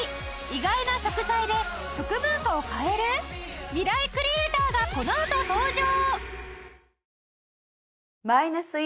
意外な食材で食文化を変えるミライクリエイターがこのあと登場！